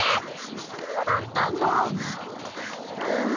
そうだったんだ！はあ。